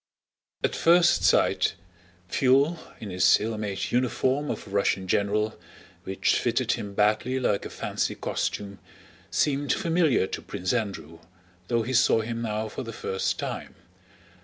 At first sight, Pfuel, in his ill made uniform of a Russian general, which fitted him badly like a fancy costume, seemed familiar to Prince Andrew, though he saw him now for the first time.